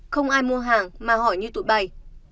không ai mua hàng mà hỏi như tụi bài